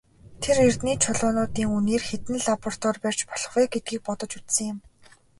Тэр эрдэнийн чулуунуудын үнээр хэдэн лаборатори барьж болох вэ гэдгийг бодож үзсэн юм.